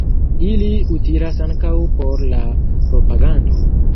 Ili utilas ankaŭ por la propagando.